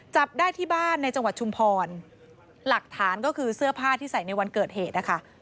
จับได้ที่บ้านในจังหวัดชุมพรหลักฐานก็คือเสื้อผ้าที่ใส่ในวันเกิดเหตุนะคะ